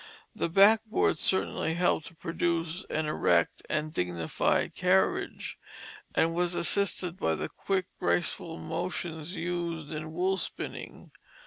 The backboard certainly helped to produce an erect and dignified carriage, and was assisted by the quick, graceful motions used in wool spinning.